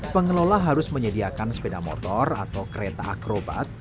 pengelola harus menyediakan sepeda motor atau kereta akrobat